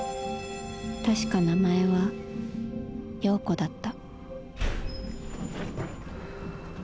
確か名前は葉子だった」。